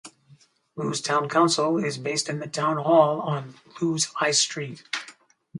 Lewes Town Council is based in the Town Hall on Lewes High Street.